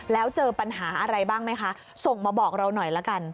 แล้วเจอปัญหาอะไรบ้างไหมคะส่งมาบอกเราหน่อยละกัน